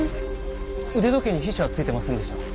腕時計に皮脂は付いてませんでした？